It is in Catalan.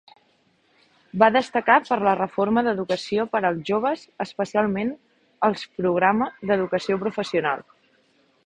Va destacar per la reforma d'educació per als joves, especialment els programa d'educació professional.